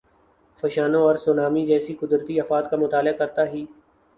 فشانوں اور سونامی جیسی قدرتی آفات کا مطالعہ کرتا ہی۔